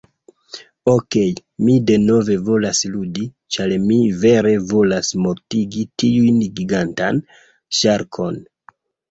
Okej, mi denove volas ludi, ĉar mi vere volas mortigi tiun gigantan ŝarkon.